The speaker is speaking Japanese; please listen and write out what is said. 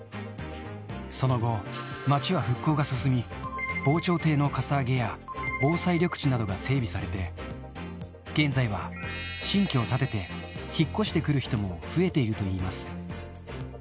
その後、街は復興が進み、防潮堤のかさ上げや、防災緑地などが整備されて、現在は新居を建てて、引っ越してくる人も増えているといいます。